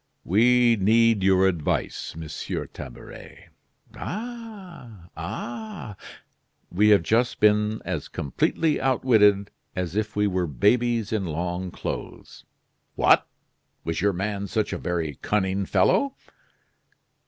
"We need your advice, Monsieur Tabaret." "Ah, ah!" "We have just been as completely outwitted as if we were babies in long clothes." "What! was your man such a very cunning fellow?"